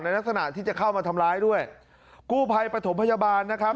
ลักษณะที่จะเข้ามาทำร้ายด้วยกู้ภัยปฐมพยาบาลนะครับ